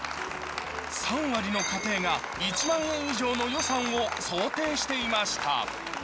３割の家庭が１万円以上の予算を想定していました。